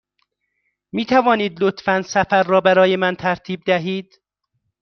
می توانید لطفاً سفر را برای من ترتیب دهید؟